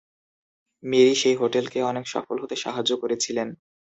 Mary সেই হোটেলকে অনেক সফল হতে সাহায্য করেছিলেন।